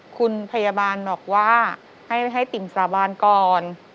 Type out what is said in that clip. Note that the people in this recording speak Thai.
คุณพยาบาลบอกว่าให้ติ่งสาบานก่อน